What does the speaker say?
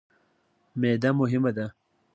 معده مهمه ده.